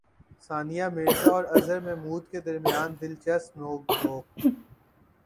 ثانیہ مرزا اور اظہر محمود کے درمیان دلچسپ نوک جھونک